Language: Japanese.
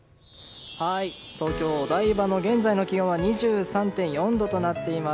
東京・お台場の現在の気温は２３．４度となっています。